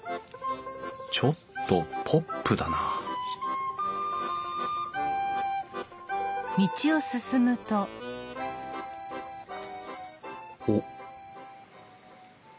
ちょっとポップだなおっ？